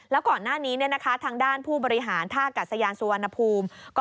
แล้วก่อนหน้านี้ทางด้านผู้บริหารท่ากัศยานสุวรรณภูมิ